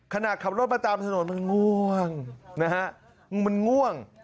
ขณะขับรถมาตามถนนมันง่วงนะฮะมันง่วง